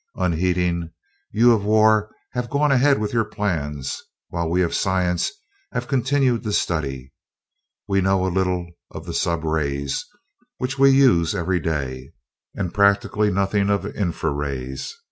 Unheeding, you of war have gone ahead with your plans, while we of science have continued to study. We know a little of the sub rays, which we use every day, and practically nothing of the infra rays.